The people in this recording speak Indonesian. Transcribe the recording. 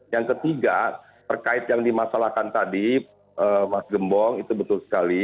yang ketiga terkait yang dimasalahkan tadi mas gembong itu betul sekali